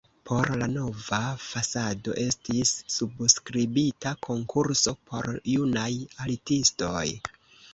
Por la nova fasado estis subskribita konkurso por junaj artistoj.